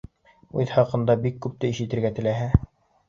Үҙе хаҡында бик күпте ишетергә теләһә.